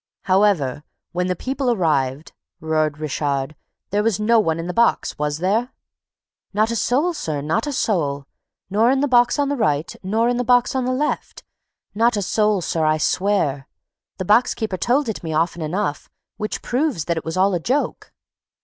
"However, when the people arrived," roared Richard, "there was no one in the box, was there?" "Not a soul, sir, not a soul! Nor in the box on the right, nor in the box on the left: not a soul, sir, I swear! The box keeper told it me often enough, which proves that it was all a joke."